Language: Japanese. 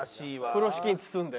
風呂敷に包んで？